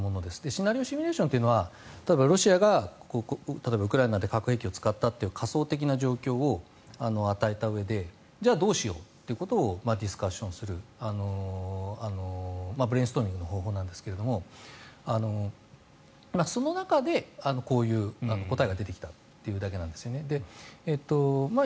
シナリオシミュレーションというのは例えばロシアがウクライナで核兵器を使ったという仮想的な状況を与えたうえでじゃあ、どうしようということをディスカッションするブレーンストーミングの方法なんですがその中でこういう答えが出てきたというだけなんですね。